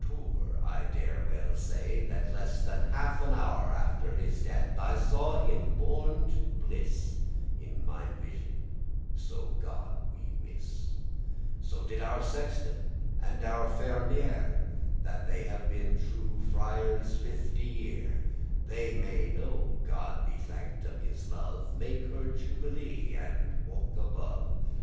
* *dormitory <10> I dare well say, that less than half an hour Mter his death, I saw him borne to bliss In mine vision, so God me wiss.* *direct So did our sexton, and our fermerere,* *infirmary keeper That have been true friars fifty year, — They may now, God be thanked of his love, Make their jubilee, and walk above.